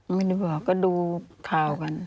ไม่ได้บอกก็ดูข่าวกัน